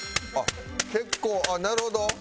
結構あっなるほど。